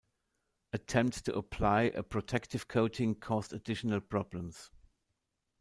Attempts to apply a protective coating caused additional problems.